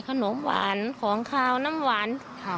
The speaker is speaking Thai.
ขนมหวานของขาวน้ำหวาน